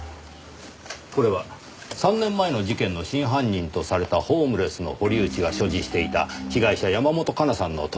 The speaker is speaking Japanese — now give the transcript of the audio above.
これは３年前の事件の真犯人とされたホームレスの堀内が所持していた被害者山本香奈さんの時計なんですがね。